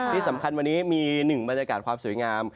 ที่สำคัญวันนี้มีหนึ่งบรรยากาศความสวยงาม